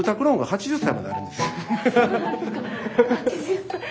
８０歳。